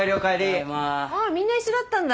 あらみんな一緒だったんだ。